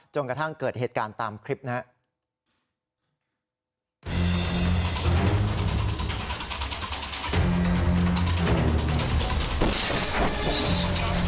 กระทั่งเกิดเหตุการณ์ตามคลิปนะครับ